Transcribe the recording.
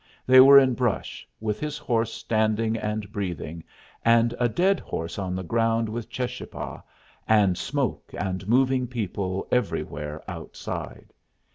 They were in brush, with his horse standing and breathing, and a dead horse on the ground with Cheschapah, and smoke and moving people everywhere outside.